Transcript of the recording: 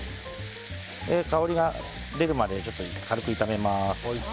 香りが出るまで軽く炒めます。